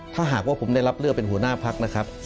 ถ้าหากว่าผมได้รับเลือกเป็นหัวหน้าพักนะครับ